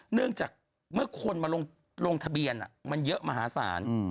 เนื่องจากเมื่อคนมาลงทะเบียนมันเยอะมหาศาล